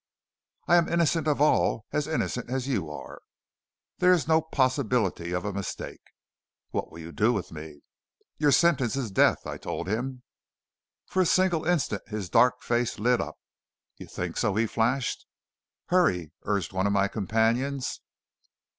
"I am innocent of all as innocent as you are." "There is no possibility of a mistake." "What will you do with me?" "Your sentence is death," I told him. For a single instant his dark face lit up. "You think so?" he flashed. "Hurry!" urged one of my companions.